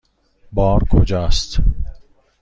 بار کجاست؟